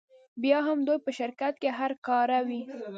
بیا هم دوی په شرکت کې هر کاره وي